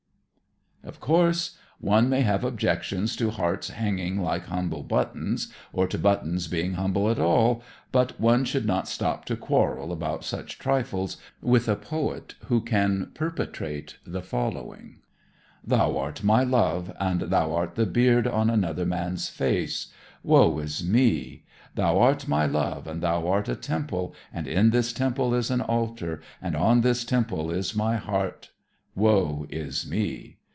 Of course, one may have objections to hearts hanging like humble buttons, or to buttons being humble at all, but one should not stop to quarrel about such trifles with a poet who can perpetrate the following: Thou art my love, And thou art the beard On another man's face Woe is me. Thou art my love, And thou art a temple, And in this temple is an altar, And on this temple is my heart Woe is me.